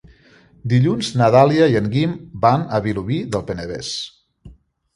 Dilluns na Dàlia i en Guim van a Vilobí del Penedès.